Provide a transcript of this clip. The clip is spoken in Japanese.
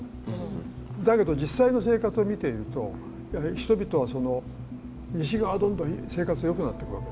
だけど実際の生活を見ているとやはり人々はその西側どんどん生活がよくなってくわけ。